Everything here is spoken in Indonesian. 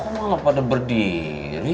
kok malah pada berdiri